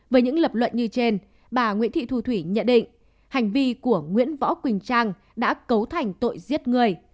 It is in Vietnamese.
với những lập luận như trên bà nguyễn thị thu thủy nhận định hành vi của nguyễn võ quỳnh trang đã cấu thành tội giết người